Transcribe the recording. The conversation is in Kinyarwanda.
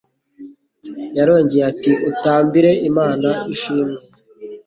Yarongcye ati : "Utambire Imana ishimwe,